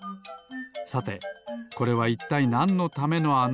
さてこれはいったいなんのためのあなでしょうか？